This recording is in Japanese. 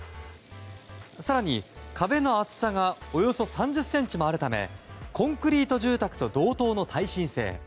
更に壁の厚さがおよそ３０ｃｍもあるためコンクリート住宅と同等の耐震性。